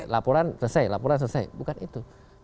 laporan selesai laporan selesai bukan itu